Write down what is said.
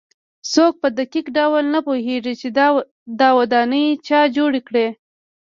څوک په دقیق ډول نه پوهېږي چې دا ودانۍ چا جوړې کړې.